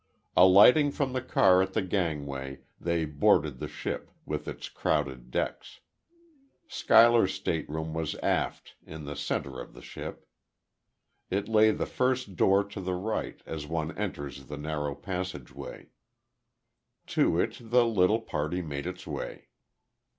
Alighting from the car at the gangway, they boarded the ship, with its crowded decks. Schuyler's stateroom was aft, in the center of the ship. It lay the first door to the right, as one enters the narrow passageway. To it the little party made its way.